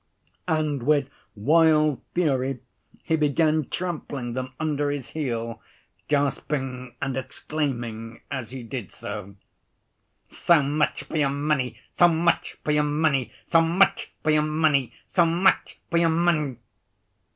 And with wild fury he began trampling them under his heel, gasping and exclaiming as he did so: "So much for your money! So much for your money! So much for your money! So much for your money!"